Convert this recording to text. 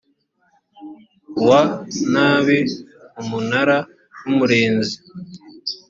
wa nabi umunara w umurinzi